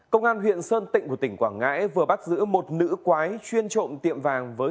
công an huyện sơn tịnh của tỉnh quảng ngãi vừa bắt giữ một nữ quái chuyên trộm tiệm vàng với